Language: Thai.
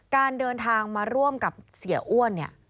การเดินทางมาร่วมกับเสียอ้วนเนี่ย